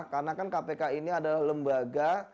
karena kan kpk ini adalah lembaga